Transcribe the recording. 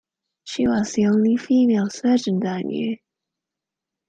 She was the only female surgeon that I knew.